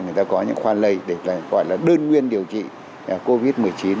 người ta có những khoan lây để gọi là đơn nguyên điều trị covid một mươi chín